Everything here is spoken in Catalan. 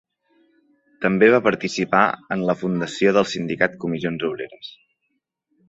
També va participar en la fundació del sindicat Comissions Obreres.